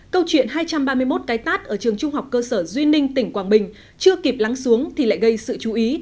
câu chuyện hai trăm ba mươi một cái tát ở trường trung học cơ sở duy ninh tỉnh quảng bình chưa kịp lắng xuống thì lại gây sự chú ý